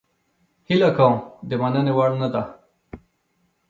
هیله کوم د مننې وړ نه ده.